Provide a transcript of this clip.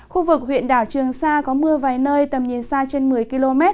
khu vực huyện đảo trường sa có mưa vài nơi tầm nhìn xa trên một mươi km